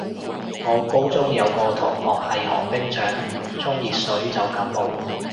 我高中有個同學係寒冰掌，沖熱水就感冒